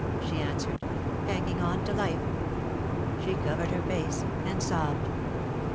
she answered. "Hanging onto life." She covered her face and sobbed.